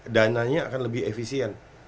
dananya akan lebih efisien